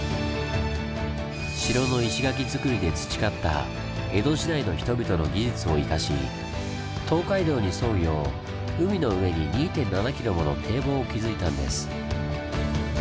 城の石垣造りで培った江戸時代の人々の技術を生かし東海道に沿うよう海の上に２．７ｋｍもの堤防を築いたんです。